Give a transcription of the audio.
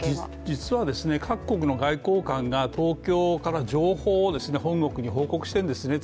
実は各国の外交官が東京から情報を本国に報告しているんですね。